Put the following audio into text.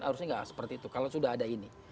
harusnya nggak seperti itu kalau sudah ada ini